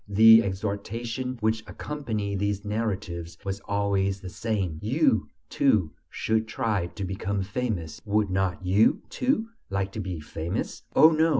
The exhortation which accompanied these narratives was always the same: "You, too, should try to become famous; would not you, too, like to be famous?" "Oh, no!"